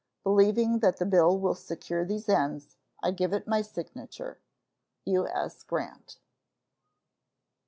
Believing that the bill will secure these ends, I give it my signature. U.S. GRANT.